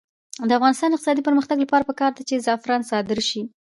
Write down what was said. د افغانستان د اقتصادي پرمختګ لپاره پکار ده چې زعفران صادر شي.